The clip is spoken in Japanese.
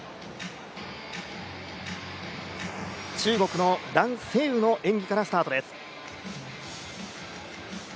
中国の蘭星宇の演技からスタートです。